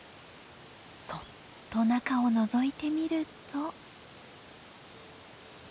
そっと中をのぞいてみると。